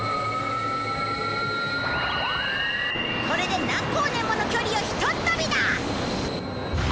これで何光年もの距離をひとっ飛びだ！